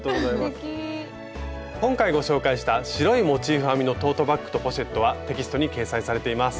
今回ご紹介した「白いモチーフ編みのトートバッグとポシェット」はテキストに掲載されています。